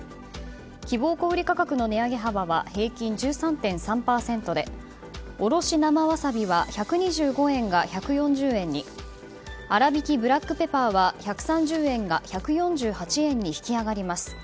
希望小売価格の値上げ幅は平均１３．３％でおろし生わさびは１２５円が１４０円にあらびきブラックペパーは１３０円が１４８円に引き上がります。